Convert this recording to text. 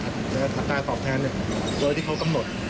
การตอบแทนโดยที่เขากำหนด